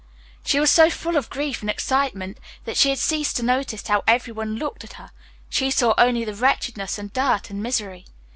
She was so full of grief and excitement that she had ceased to notice how everyone looked at her she saw only the wretchedness, and dirt and misery.